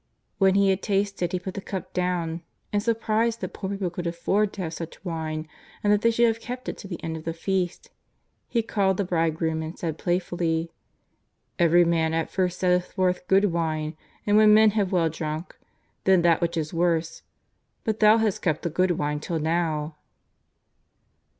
When he had tasted he put the cup down, and, surprised that poor people could afford to have such wine, and that they should have kept it to the end of the feast, he called the bridegroom and said playfully :" Every man at first setteth forth good wine, and when men have well drunk, then that which is worse ; but thou hast kept the good wine till now.''